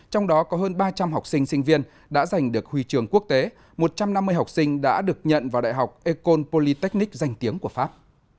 trong đó có hơn ba trăm linh học sinh sinh viên đã giành được huy trường quốc tế một trăm năm mươi học sinh đã được nhận vào đại học ecole polytechnic danh tiếng của pháp